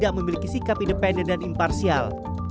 hakim dinilai tidak memiliki sikap independen dan imparsial